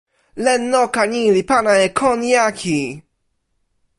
len noka ni li pana e kon jaki.